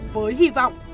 với hy vọng